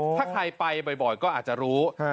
ถ้าใครไปบ่อยก็อาจจะรู้